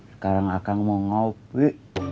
sekarang akan mengopi